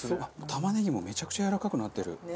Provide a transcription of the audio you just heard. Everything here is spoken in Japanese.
玉ねぎもめちゃくちゃやわらかくなってる。